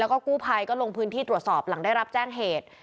ก็ลงพื้นที่ตรวจสอบหลังได้รับแจ้งเหตุ